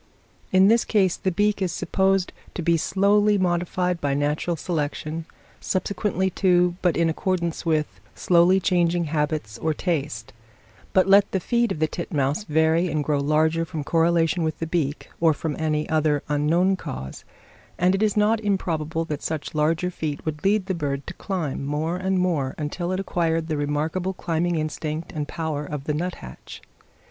In this case the beak is supposed to be slowly modified by natural selection, subsequently to, but in accordance with, slowly changing habits or taste; but let the feet of the titmouse vary and grow larger from correlation with the beak, or from any other unknown cause, and it is not improbable that such larger feet would lead the bird to climb more and more until it acquired the remarkable climbing instinct and power of the nuthatch.